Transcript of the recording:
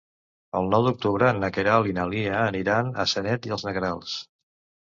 El nou d'octubre na Queralt i na Lia aniran a Sanet i els Negrals.